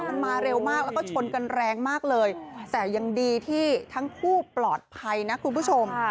มันมาเร็วมากแล้วก็ชนกันแรงมากเลยแต่ยังดีที่ทั้งคู่ปลอดภัยนะคุณผู้ชม